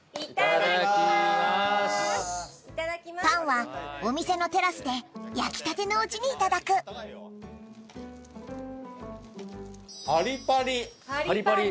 パンはお店のテラスで焼きたてのうちにいただくパリパリ！